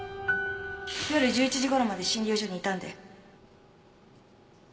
夜１１時頃まで診療所にいたんで。